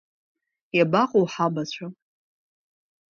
Иабаҟоу ҳабацәа?